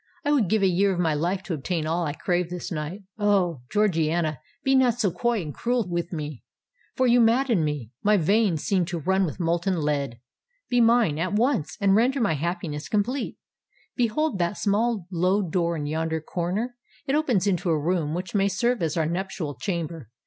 I would give a year of my life to obtain all I crave this night. Oh! Georgiana, be not so coy and cruel with me—for you madden me—my veins seem to run with molten lead. Be mine at once—and render my happiness complete. Behold that small low door in yonder corner: it opens into a room which may serve as our nuptial chamber.